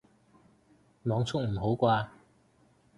網速唔好啩